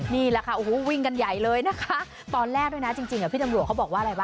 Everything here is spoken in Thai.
นี่แหละค่ะโอ้โหวิ่งกันใหญ่เลยนะคะตอนแรกด้วยนะจริงพี่ตำรวจเขาบอกว่าอะไรบ้าง